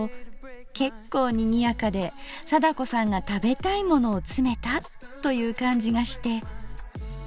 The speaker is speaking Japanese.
結構にぎやかで貞子さんが食べたいものを詰めたという感じがして。